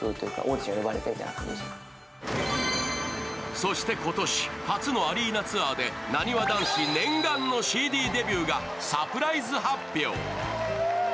そして今年、初のアリーナツアーでなにわ男子念願のＣＤデビューがサプライズ発表。